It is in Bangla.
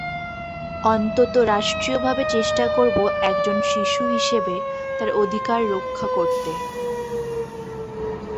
অন্তত রাষ্ট্রীয়ভাবে চেষ্টা করব একজন শিশু হিসেবে তার অধিকার রক্ষা করতে।